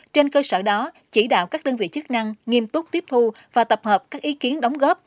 trên cơ sở đó chỉ đạo các đơn vị chức năng nghiêm túc tiếp thu và tập hợp các ý kiến đóng góp